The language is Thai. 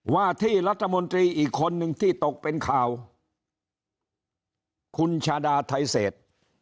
ว่าที่รัฐมนตรีอีกคนนึงที่ตกเป็นข่าวคุณชาดาไทเศษ